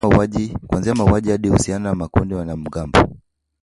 Kuanzia mauaji hadi uhusiano na makundi ya wanamgambo.